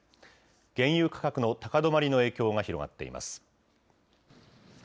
原油価格の高止まりの影響が広がっています。